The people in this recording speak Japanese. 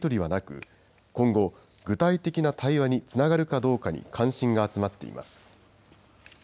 ただ、重要なやり取りはなく、今後、具体的な対話につながるかどうかに関心が集まっています。